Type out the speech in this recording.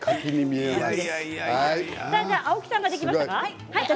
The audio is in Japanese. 青木さんはできましたか？